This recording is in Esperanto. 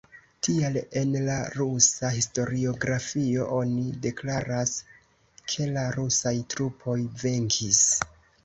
Tial en la rusa historiografio oni deklaras, ke la rusaj trupoj "venkis".